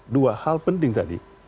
dua hal penting tadi